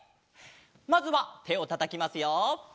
まずはてをたたきますよ。